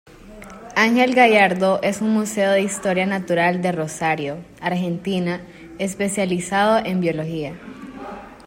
Ángel Gallardo es un museo de historia natural de Rosario, Argentina, especializado en biología.